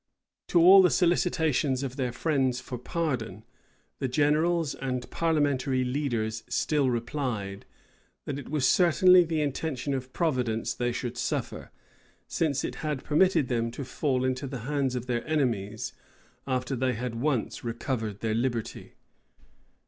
To all the solicitations of their friends for pardon, the generals and parliamentary leaders still replied, that it was certainly the intention of Providence they should suffer; since it had permitted them to fall into the hands of their enemies, after they had once recovered their liberty.